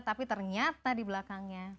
tapi ternyata di belakangnya